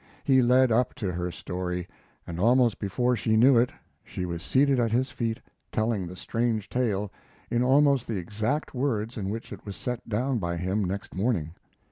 He led up to her story, and almost before she knew it she was seated at his feet telling the strange tale in almost the exact words in which it was set down by him next morning.